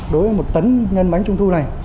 đối với một tấn nhân bánh trung thu này